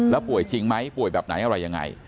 แล้วป่วยจริงไหมป่วยแบบไหนอะไรยังไง